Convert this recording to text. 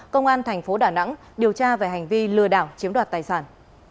công an thành phố đà nẵng điều tra về hành vi lừa đảo chiếm đoạt tài sản